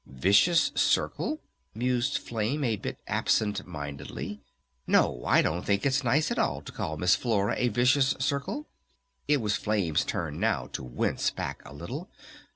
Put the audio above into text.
"Vicious Circe?" mused Flame, a bit absent mindedly. "No, I don't think it's nice at all to call Miss Flora a 'Vicious Circe.'" It was Flame's turn now to wince back a little.